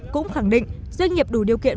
cũng khẳng định doanh nghiệp đủ điều kiện